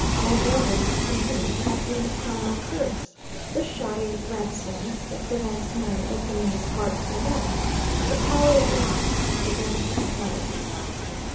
Vulgarity, to him, had been the primal curse, the shoddy reticence that prevents man opening his heart to man, the power that makes against equality.